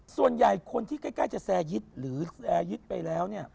ส่วนใหญ่คนที่ใกล้จะแซร์ยึดหรือแอร์ยึดไปแล้วเนี่ย